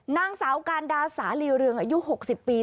นางสาวการดาสาลีเรืองอายุ๖๐ปี